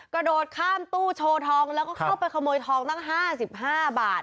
กระโดดข้ามตู้โชว์ทองแล้วก็เข้าไปขโมยทองตั้ง๕๕บาท